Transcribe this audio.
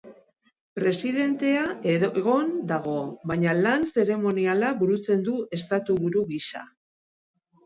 Presidentea egon dago, baina lan zeremoniala burutzen du Estatu-buru gisa.